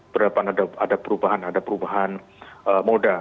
berapa ada perubahan ada perubahan moda